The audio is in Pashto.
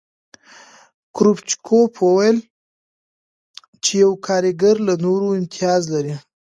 کرو چکوف وویل چې یو کارګر له نورو امتیاز لري